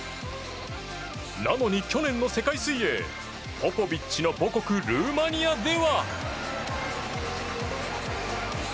なのに去年の世界水泳ポポビッチの母国ルーマニアでは。